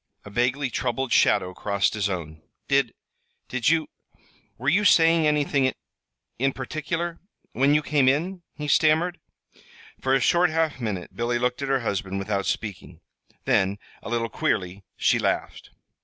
A vaguely troubled shadow crossed his own. "Did did you were you saying anything in in particular, when you came in?" he stammered. For a short half minute Billy looked at her husband without speaking. Then, a little queerly, she laughed.